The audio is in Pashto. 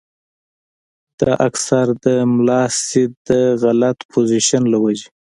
دا اکثر د ملاستې د غلط پوزيشن له وجې